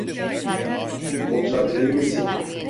Oturabilir misin?